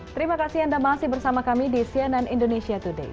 terima kasih anda masih bersama kami di cnn indonesia today